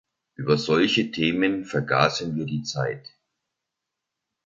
Über solchen Themen vergaßen wir die Zeit.